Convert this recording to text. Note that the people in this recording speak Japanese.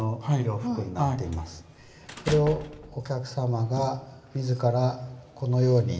それをお客様が自らこのように。